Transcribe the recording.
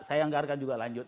saya anggarkan juga lanjut